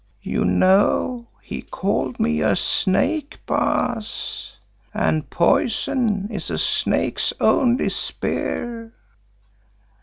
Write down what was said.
You know he called me a snake, Baas, and poison is a snake's only spear.